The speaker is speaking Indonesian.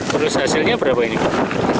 terus hasilnya berapa ini pak